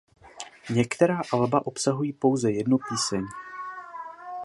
Některé alba obsahují pouze jednu píseň.